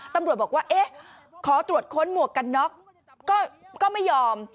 ตำรวจบอกว่าเอ๊ะขอตรวจค้นหมวกกันน็อกก็ไม่ยอม